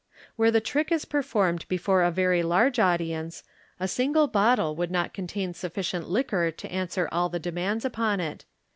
Wh^re the trick is performed before a very large audience, a single bottle would not contain sufficient liquor to answer all the demands upon it.